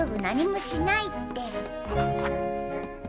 何もしないって。